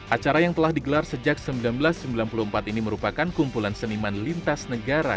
acara yang telah digelar sejak seribu sembilan ratus sembilan puluh empat ini merupakan kumpulan seniman lintas negara